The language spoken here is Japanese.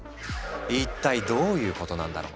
一体どういうことなんだろう？